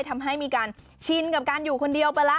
ทำให้มีการชินกับการอยู่คนเดียวไปแล้ว